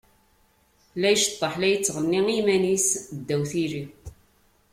La iceṭṭeḥ, la yettɣenni i yiman-is ddaw tili.